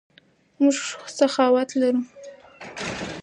موږ سخاوت لرو.